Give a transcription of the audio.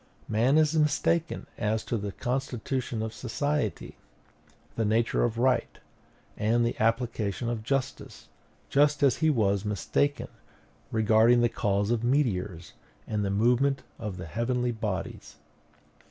Man is mistaken as to the constitution of society, the nature of right, and the application of justice; just as he was mistaken regarding the cause of meteors and the movement of the heavenly bodies.